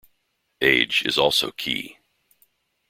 Age is also key.